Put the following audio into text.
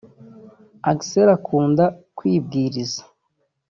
Axel akunda kwibwiriza